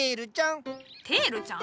テールちゃん。